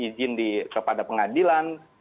izin kepada pengadilan